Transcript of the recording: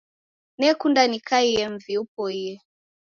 Nekunda nikaie mvi upoie